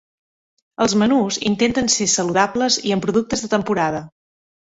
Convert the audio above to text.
Els menús intenten ser saludables i amb productes de temporada.